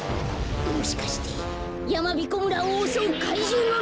もしかしてやまびこ村をおそうかいじゅうのぬけがら？